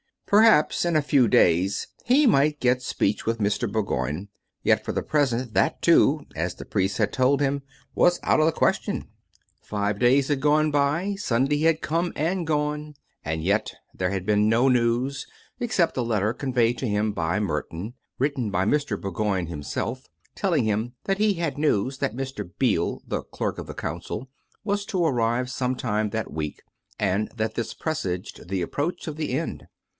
Perhaps in a few days he might get speech with S42 COME RACK! COME ROPE! Mr. Bourgoign; yet for the present that, too, as the priest had told 'lim, was out of the question. Ill Five days were gone by, Sunday had come and gone, and yet there had been no news, except a letter conveyed to him by Merton, written by Mr. Bourgoign himself, tell ing him that he had news that Mr. Beale, the Clerk of the Council, was to arrive some time that week, and that this presaged the approach of the end.